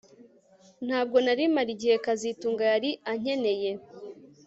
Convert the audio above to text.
Ntabwo nari mpari igihe kazitunga yari ankeneye